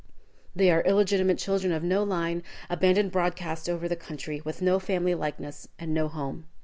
They are illegitimate children of no line, abandoned broadcast over the country, with no family likeness and no home.